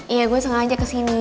iya gue sengaja kesini